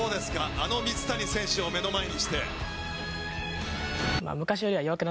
あの水谷選手を目の前にして。